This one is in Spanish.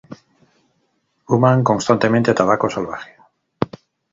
Fuman constantemente tabaco salvaje.